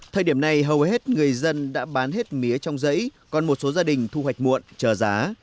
thời điểm này hầu hết người dân đã bán hết mía trong giấy còn một số gia đình thu hoạch muộn chờ giá